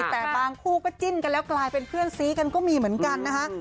แต่บางคู่ก็จิ้นกันแล้วกลายเป็นเพื่อนซีกันก็มีเหมือนกันนะคะ